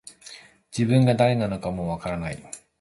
自分が誰なのかもう分からない